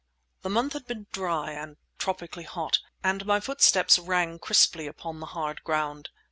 The month had been dry and tropically hot, and my footsteps rang crisply upon the hard ground.